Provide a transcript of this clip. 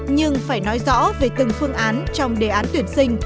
nhưng phải nói rõ về từng phương án trong đề án tuyển sinh